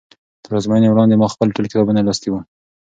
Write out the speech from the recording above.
تر ازموینې وړاندې ما خپل ټول کتابونه لوستي وو.